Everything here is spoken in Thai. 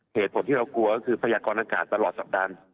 เหตุผลที่เรากลัวก็คือพยากรอากาศตลอดสัปดาห์